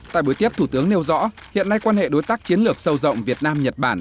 tại buổi tiếp thủ tướng nêu rõ hiện nay quan hệ đối tác chiến lược sâu rộng việt nam nhật bản